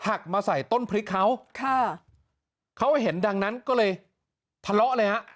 มาใส่ต้นพริกเขาค่ะเขาเห็นดังนั้นก็เลยทะเลาะเลยฮะ